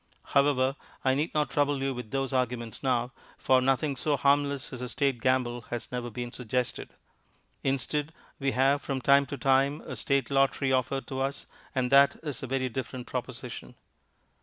However, I need not trouble you with those arguments now, for nothing so harmless as a State gamble has ever been suggested. Instead, we have from time to time a State lottery offered to us, and that is a very different proposition.